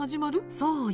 そうよ。